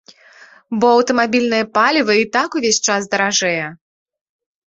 Бо аўтамабільнае паліва і так увесь час даражэе!